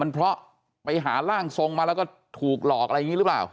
เพราะไปหาร่างทรงมาแล้วก็ถูกหลอกอะไรอย่างนี้หรือเปล่า